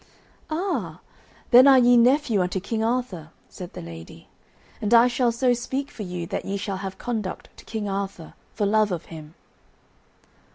"Ah, then are ye nephew unto King Arthur," said the lady, "and I shall so speak for you that ye shall have conduct to King Arthur, for love of him."